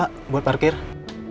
aku mau mencoba biru